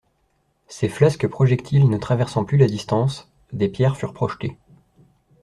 Ces flasques projectiles ne traversant plus la distance, des pierres furent projetées.